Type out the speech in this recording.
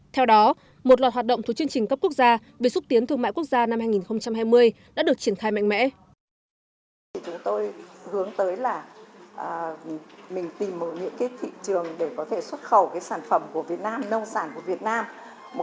theo đó một loạt hoạt động thuộc chương trình cấp quốc gia về xúc tiến thương mại quốc gia năm hai nghìn hai mươi đã được triển khai mạnh mẽ